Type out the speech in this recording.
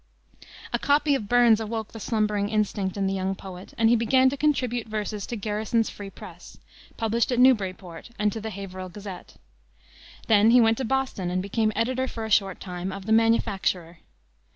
A copy of Burns awoke the slumbering instinct in the young poet, and he began to contribute verses to Garrison's Free Press, published at Newburyport, and to the Haverhill Gazette. Then he went to Boston, and became editor for a short time of the Manufacturer.